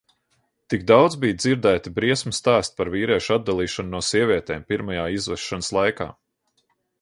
Tik daudz bija dzirdēti briesmu stāsti par vīriešu atdalīšanu no sievietēm pirmajā izvešanas laikā.